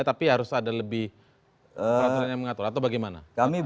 tapi harus ada lebih peraturan yang mengatur atau bagaimana